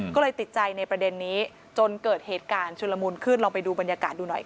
ก็เลยติดใจในประเด็นนี้จนเกิดเหตุการณ์ชุลมุนขึ้นลองไปดูบรรยากาศดูหน่อยค่ะ